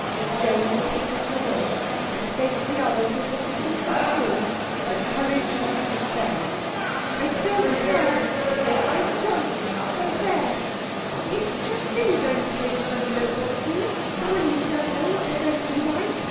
Jane picked up her doll and faced the others with what is sometimes called the courage of despair. "I don't care," she said; "I won't, so there! It's just silly going to places when you don't want to, and when you don't know what they're going to be like!